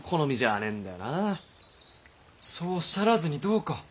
そうおっしゃらずにどうか。